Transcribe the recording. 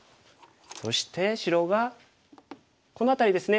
そして白がこの辺りですね